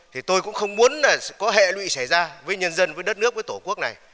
thì tôi cũng không muốn có hệ lụy xảy ra với nhân dân với đất nước với tổ quốc này